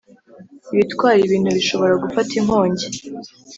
ibitwara ibintu bishobora gufata inkongi